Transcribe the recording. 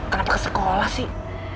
kenapa ke sekolah sih